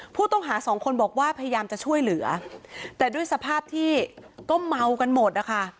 ผู้ต้องหาสองคนบอกว่าพยายามจะช่วยเหลือแต่ด้วยสภาพที่ก็เมากันหมดนะคะ